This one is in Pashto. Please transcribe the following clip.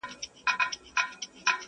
هر څوک د خپل ضمير سره يو څه جګړه لري-